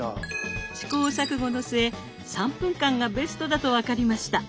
試行錯誤の末３分間がベストだと分かりました。